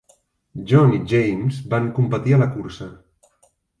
John i James van competir a la cursa